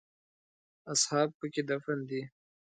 اصحاب په کې دفن دي.